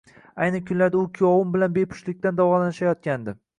Ayni kunlarda u kuyovim bilan bepushtlikdan davolanishayotgandi